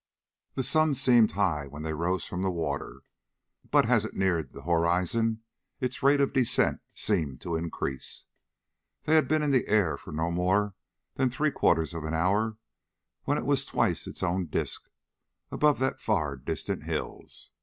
The sun seemed high when they rose from the water, but as it neared the horizon its rate of descent seemed to increase. They had been in the air for no more than three quarters of an hour when it was twice its own disk above the far distant hills.